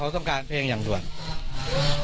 เพลงที่สุดท้ายเสียเต้ยมาเสียชีวิตค่ะ